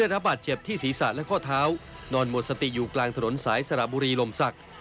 รถสติอยู่กลางถนนสายสระบุรีลมศักดิ์